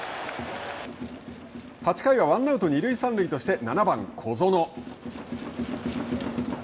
８回はワンアウト、二塁三塁として７番小園。